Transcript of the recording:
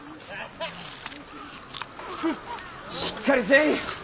しっかりせい。